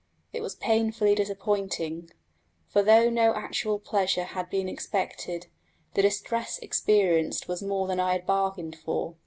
It was painfully disappointing, for though no actual pleasure had been expected, the distress experienced was more than I had bargained for.